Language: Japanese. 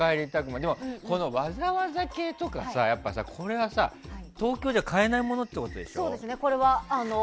でも、わざわざ系とか東京じゃ買えないものってことでしょ。